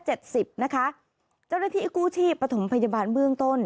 เจ้าหน้าที่กู้ชีพปฐมพยาบาลเบื้องต้น